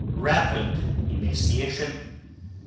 Rapid emaciation 10.